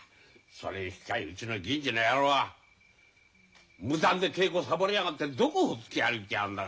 それに引き換えうちの銀次の野郎は無断で稽古サボりやがってどこほっつき歩いてやがんだか。